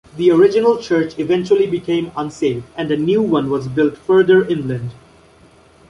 The original church eventually became unsafe and a new one was built further inland.